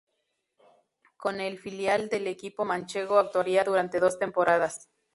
Con el filial del equipo manchego actuaría durante dos temporadas.